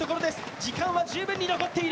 時間は十分残っている。